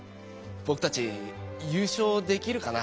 ぼくたちゆうしょうできるかな？